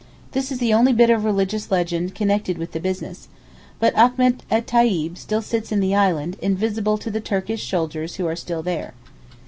This is the only bit of religious legend connected with the business. But Achmet et Tayib still sits in the Island, invisible to the Turkish soldiers who are still there.